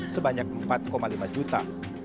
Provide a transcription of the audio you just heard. sebanyak empat lima juta